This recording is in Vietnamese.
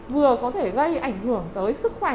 vừa có thể gây ảnh hưởng tới sức khỏe